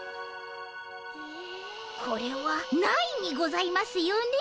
これはないにございますよね？